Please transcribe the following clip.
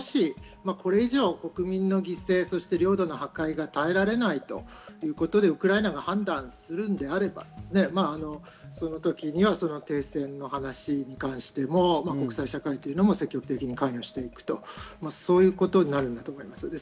もしこれ以上、国民の犠牲、領土の破壊が耐えられないということでウクライナが判断するのであれば、その時には停戦の話に関しても国際社会は積極的に関与していくと、そういうことになると思います。